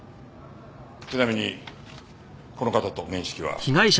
ちなみにこの方と面識は？